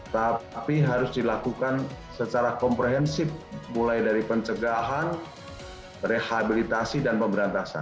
tapi harus dilakukan secara komprehensif mulai dari pencegahan rehabilitasi dan pemberantasan